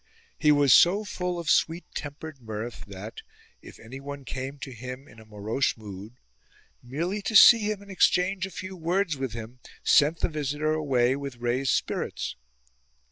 He was so full of sweet S.C. 129 I THE NORTHMEN tempered mirth, that, if anyone came to him in a morose mood, merely to see him and exchange a few words with him sent the visitor away with raised spirits.